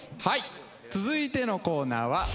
はい続いてのコーナーは。